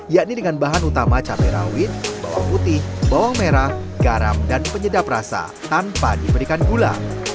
yakni dengan bahan utama cabai rawit bawang putih bawang merah garam dan penyedap rasa tanpa diberikan gula